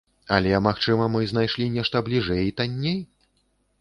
Але, магчыма, мы знайшлі нешта бліжэй і танней?